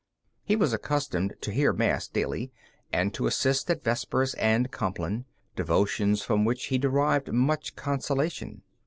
He was accustomed to hear Mass daily, and to assist at Vespers and Compline devotions from which he derived much consolation.